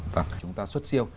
vâng chúng ta xuất siêu